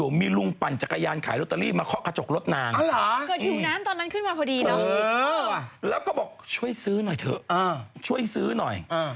น่างซื้อทำไมจะต้องจอดรถซื้อเครื่องดื่มตอนนั้น